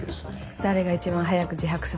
誰が一番早く自白させられるか。